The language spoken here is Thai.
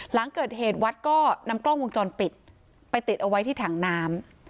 หลังเกิดเหตุวัดก็นำกล้องวงจรปิดไปติดเอาไว้ที่ถังน้ำ